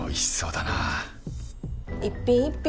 一品一品